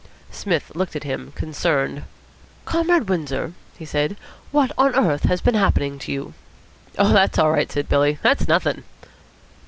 Psmith looked at him, concerned. "Comrade Windsor," he said, "what on earth has been happening to you?" "Oh, that's all right," said Billy. "That's nothing."